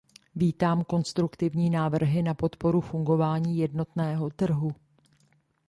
Vítám konstruktivní návrhy na podporu fungování jednotného trhu.